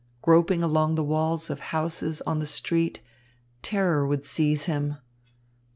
Groping along the walls of houses on the street, terror would seize him.